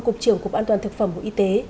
cục trưởng cục an toàn thực phẩm bộ y tế